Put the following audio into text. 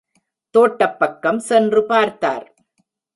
தோட்டப் பக்கம் சென்று பார்த்தார்.